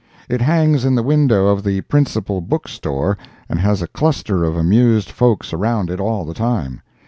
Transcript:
It hangs in the window of the principal bookstore, and has a cluster of amused folks around it all the time.